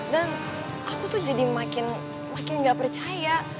dan aku tuh jadi makin ga percaya